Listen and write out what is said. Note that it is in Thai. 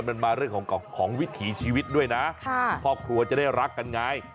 มันมาเรื่องของวิถีชีวิตด้วยนะพ่อครัวจะได้รักกันไง